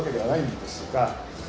saya tidak memikirkan pemain muda